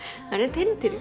照れてる？